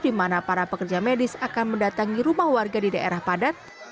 di mana para pekerja medis akan mendatangi rumah warga di daerah padat